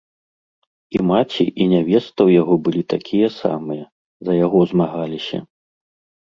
І маці, і нявеста ў яго былі такія самыя, за яго змагаліся.